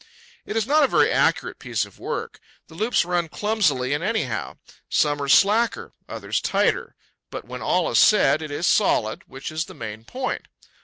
It is not a very accurate piece of work. The loops run clumsily and anyhow: some are slacker, others tighter; but, when all is said, it is solid, which is the main point.